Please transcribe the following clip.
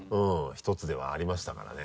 １つではありましたからね。